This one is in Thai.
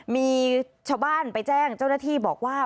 มีชาวบ้านไปแจ้งเจ้าหน้าที่บอกว่า